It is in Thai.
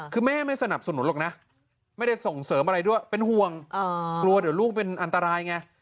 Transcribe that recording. คือแม่ไม่สนับสนุนหรอกนะไม่ได้ส่งเสริมอะไรด้วยเป็นห่วงกลัวเดี๋ยวลูกเป็นอันตรายไง